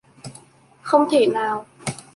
Không thể nào